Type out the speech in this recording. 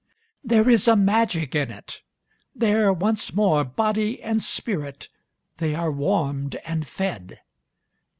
There is a magic in it. There once more. Body and spirit, they are warmed and fed.